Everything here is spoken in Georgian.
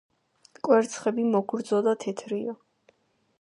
კვერცხები მოგრძო და თეთრია.